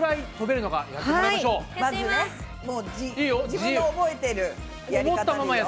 自分の覚えてるやり方で。